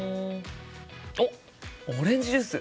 あっオレンジジュース！